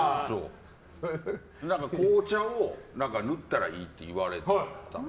紅茶を塗ったらいいって言われた。